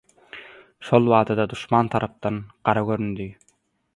Şol bada-da duşman tarapdan gara göründi.